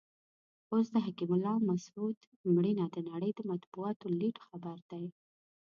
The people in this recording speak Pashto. اوس د حکیم الله مسود مړینه د نړۍ د مطبوعاتو لیډ خبر دی.